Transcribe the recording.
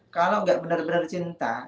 kalau nggak benar benar cinta